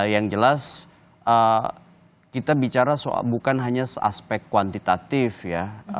yang jelas kita bicara soal bukan hanya aspek kuantitatif ya